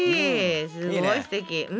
すごいすてき。